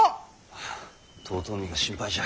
はあ遠江が心配じゃ。